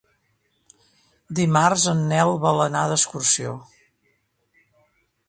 Dimarts en Nel vol anar d'excursió.